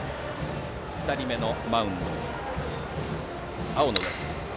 ２人目のマウンド、青野。